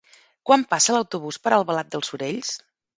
Quan passa l'autobús per Albalat dels Sorells?